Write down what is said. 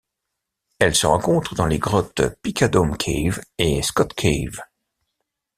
Elle se rencontre dans les grottes Picadome Cave et Scott Cave.